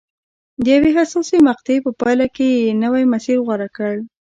د یوې حساسې مقطعې په پایله کې یې نوی مسیر غوره کړ.